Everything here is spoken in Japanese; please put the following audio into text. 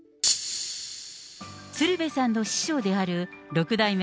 鶴瓶さんの師匠である六代目